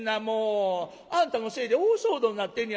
あんたのせいで大騒動になってんねやないか。